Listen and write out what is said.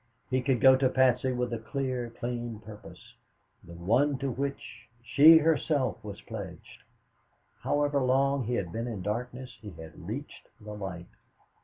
He could go to Patsy with a clear, clean purpose the one to which she herself was pledged. However long he had been in darkness, he had reached the light.